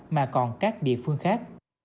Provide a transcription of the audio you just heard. mà còn các địa phương khác